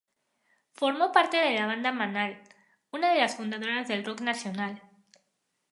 Formó parte de la banda Manal, una de las fundadoras del rock nacional.